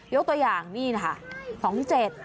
ยกตัวอย่างนี่นะคะ